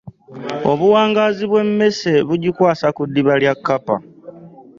Obuwangaazi bw'emmese, bugikwasa ku ddiba lya Kkapa